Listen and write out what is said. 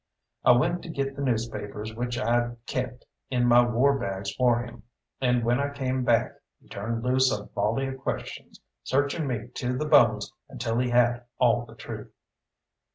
I went to get the newspapers which I'd kept in my warbags for him, and when I came back he turned loose a volley of questions, searching me to the bones until he had all the truth.